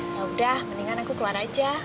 yaudah mendingan aku keluar aja